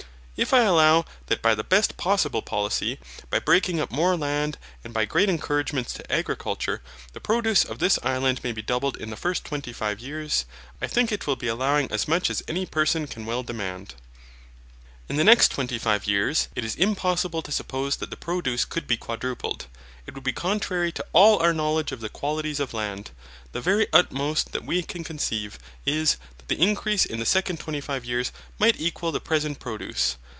If I allow that by the best possible policy, by breaking up more land and by great encouragements to agriculture, the produce of this Island may be doubled in the first twenty five years, I think it will be allowing as much as any person can well demand. In the next twenty five years, it is impossible to suppose that the produce could be quadrupled. It would be contrary to all our knowledge of the qualities of land. The very utmost that we can conceive, is, that the increase in the second twenty five years might equal the present produce.